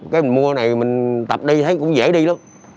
cái mình mua này mình tập đi thấy cũng dễ đi đâu